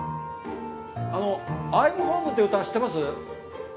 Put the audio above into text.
あの『アイムホーム』って歌知ってます？